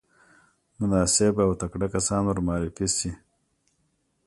مناسب او تکړه کسان ورمعرفي شي.